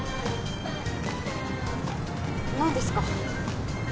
何ですか？